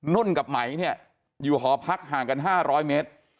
นุ่นกับไหมเนี่ยอยู่หอพักห่างกัน๕๐๐เมตร